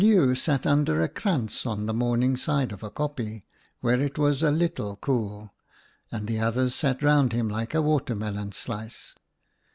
Oom Leeuw sat under a krantz on the morning side of a kopje, where it was a little cool, and the others sat round him like a watermelon slice.